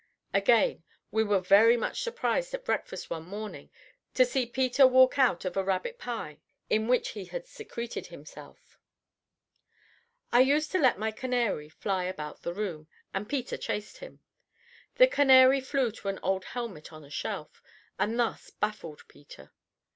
Again, we were very much surprised at breakfast one morning to see Peter walk out of a rabbit pie in which he had secreted himself. I used to let my canary fly about the room, and Peter chased him. The canary flew to an old helmet on a shelf, and thus baffled Peter.